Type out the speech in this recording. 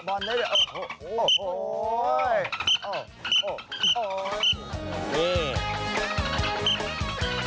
โอ้โหเดาะบอลด้วย